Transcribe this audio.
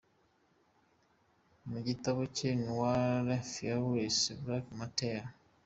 mu gitabo cye Noires fureurs, blancs menteurs.